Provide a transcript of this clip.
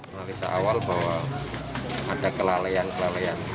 analisa awal bahwa ada kelalean kelalean